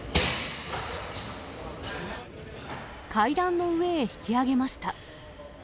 階段の上へ引き上げました。